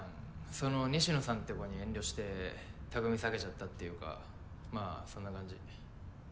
その西野さんって子に遠慮して匠避けちゃったっていうかまあそんな感じ。